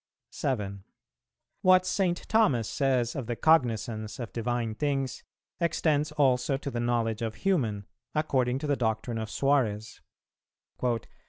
"What St. Thomas says of the cognizance of divine things extends also to the knowledge of human, according to the doctrine of Suarez.